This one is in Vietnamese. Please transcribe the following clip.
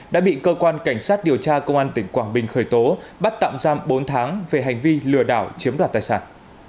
đã bị cơ quan cảnh sát điều tra công an tỉnh quảng bình khởi tố bắt tạm giam bốn tháng về hành vi lừa đảo chiếm đoạt tài sản